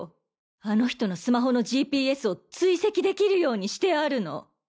あの人のスマホのＧＰＳを追跡できるようにしてあるの。